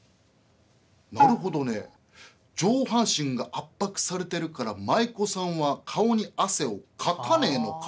「なるほどね。上半身が圧迫されてるから舞妓さんは顔にアセをかかねえのか。